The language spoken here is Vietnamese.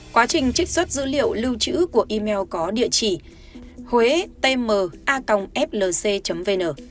quá trình trích xuất dữ liệu lưu chữ của email có địa chỉ huetma flc vn